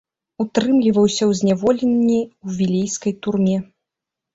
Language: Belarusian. Утрымліваўся ў зняволенні ў вілейскай турме.